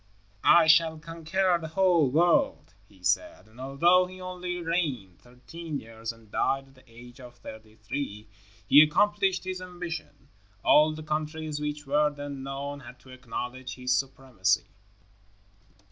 "I shall conquer the whole world," he said, and although he only reigned thirteen years and died at the age of thirty three, he accomplished his ambition. All the countries which were then known had to acknowledge his supremacy.